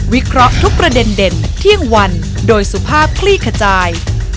เคราะห์ทุกประเด็นเด่นเที่ยงวันโดยสุภาพคลี่ขจาย